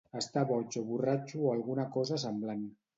Està boig o borratxo o alguna cosa semblant.